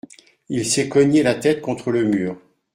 Il s’est cogné la tête contre le mur.